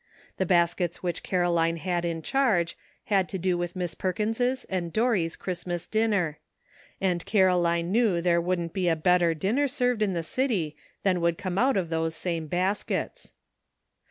The bas kets which Caroline had in charge had to do with Miss Perkins' and Dorry 's Christmas din ner; and Caroline knew there wouldn't be a better dinner served in the city than would come out of those same baskets.